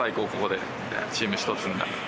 チーム１つになって。